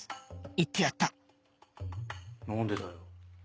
言ってやった何でだよ